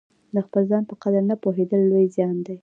د خپل ځان په قدر نه پوهېدل لوی زیان دی.